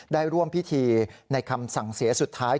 ได้ร่วมพิธีในคำสั่งเสียสุดท้าย